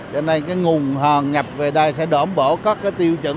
cho nên cái nguồn heo nhập về đây sẽ đổ bổ các cái tiêu chuẩn